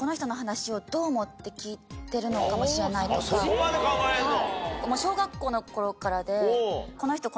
そこまで考えるの？